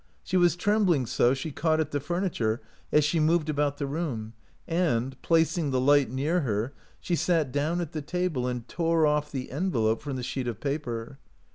She was trembling so she caught at the furniture as she moved about the room, and, placing the light near her, she sat down at the table and tore off the envelope from the sheet of paper.